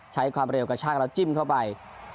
ใช้ความเร็วกระชากแล้วจิ้มเข้าไป